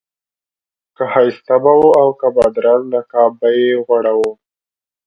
که ښایسته به و او که بدرنګه نقاب به یې غوړاوه.